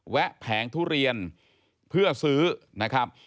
แวงทุเรียนเพื่อซื้อนะครับ